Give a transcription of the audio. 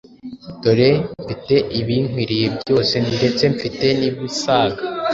Dore mfite ibinkwiriye byose, ndetse mfite n’ibisaga: